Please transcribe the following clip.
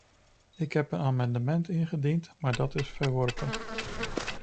Ik heb een amendement ingediend, maar dat is verworpen.